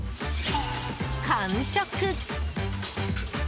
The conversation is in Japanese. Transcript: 完食。